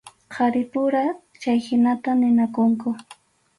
Qharipura chayhinata ninakunku.